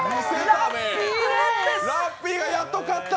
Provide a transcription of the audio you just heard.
ラッピーがやっと勝った！